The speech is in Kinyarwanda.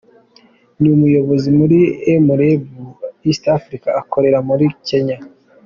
Ni umuyobozi muri m: Lab East Africa, akorera muri Kenya.